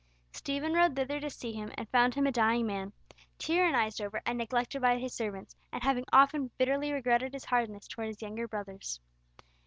Stephen rode thither to see him, and found him a dying man, tyrannised over and neglected by his servants, and having often bitterly regretted his hardness towards his young brothers.